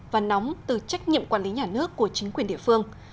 và nóng từ trách nhiệm quản lý nhà nước của chính quyền địa phương